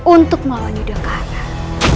untuk melawan yudha karnal